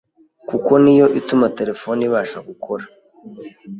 kuko ni yo ituma telefone ibasha gukora,